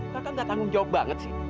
kakak gak tanggung jawab banget sih